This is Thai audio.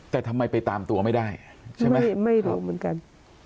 แต่ทำไมไปตามตัวไม่ได้ใช่ไหมไม่รู้เหมือนกัน